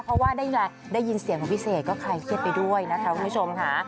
เพราะว่าได้ยินเสียงของพี่เสกก็คลายเครียดไปด้วยนะคะคุณผู้ชมค่ะ